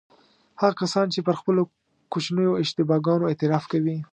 هغه کسان چې پر خپلو کوچنیو اشتباه ګانو اعتراف کوي.